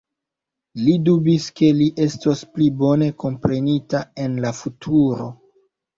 Li dubis, ke li estos pli bone komprenita en la futuro.